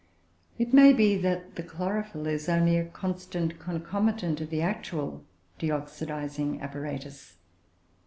It may be that the chlorophyll is only a constant concomitant of the actual deoxidising apparatus.